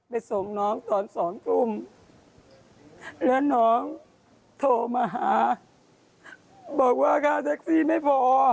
ไปส่งน้องตอนสองทุ่มแล้วน้องโทรมาหาบอกว่าค่าแท็กซี่ไม่พอ